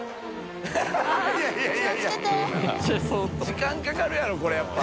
時間かかるやろこれやっぱ。